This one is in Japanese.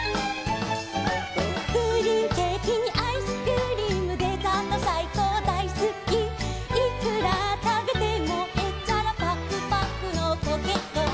「プリンケーキにアイスクリーム」「デザートさいこうだいすき」「いくらたべてもへっちゃらぱくぱくのコケッコー」